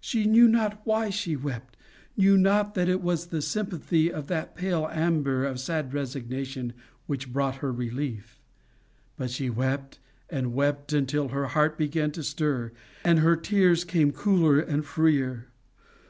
She knew not why she wept, knew not that it was the sympathy of that pale amber of sad resignation which brought her relief: but she wept and wept, until her heart began to stir, and her tears came cooler and freer.